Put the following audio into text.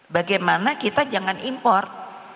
bagaimana kita jangan import